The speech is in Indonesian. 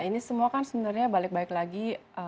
ini semua kan sebenarnya balik balik lagi